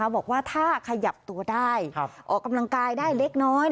บอกว่าถ้าขยับตัวได้ออกกำลังกายได้เล็กน้อย